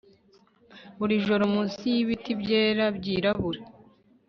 buri joro munsi y'ibiti byera byirabura